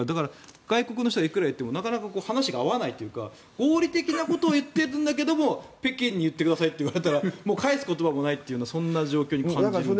外国の人がいくら言っても話が合わないというか合理的なことを言っても北京に言ってくださいと言われたら返す言葉もないという感じがするんですけどね。